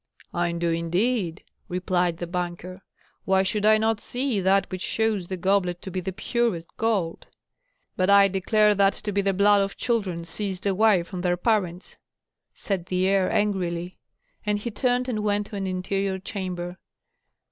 "I do, indeed," replied the banker; "why should I not see that which shows the goblet to be the purest gold?" "But I declare that to be the blood of children seized away from their parents," said the heir, angrily. And he turned and went to an interior chamber.